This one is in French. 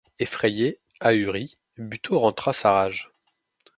Effrayé, ahuri, Buteau rentra sa rage.